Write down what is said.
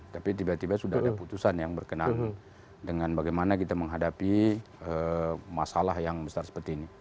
tapi tiba tiba sudah ada putusan yang berkenan dengan bagaimana kita menghadapi masalah yang besar seperti ini